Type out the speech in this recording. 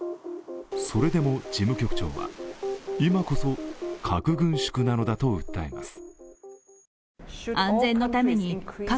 それでも事務局長は今こそ核軍縮なのだと訴えます。